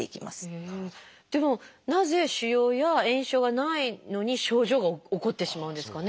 でもなぜ腫瘍や炎症がないのに症状が起こってしまうんですかね？